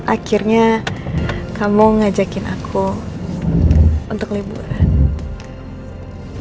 akhirnya kamu ngajakin aku untuk liburan